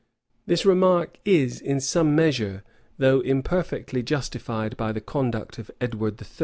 This remark is, in some measure, though imperfectly, justified by the conduct of Edward III.